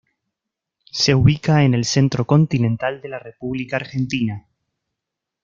Se ubica en el centro continental de la República Argentina.